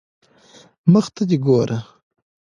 مخ ته دي ګوره